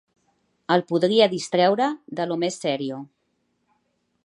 El podia distreure de lo més serio